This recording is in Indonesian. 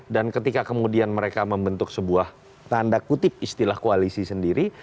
dan ketika kemudian mereka membentuk sebuah tanda kutip istilah koalisi sendiri